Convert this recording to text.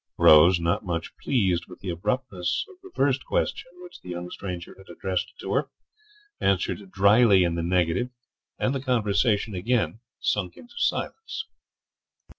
Rose, not much pleased with the abruptness of the first question which the young stranger had addressed to her, answered drily in the negative, and the conversation again sunk into silence.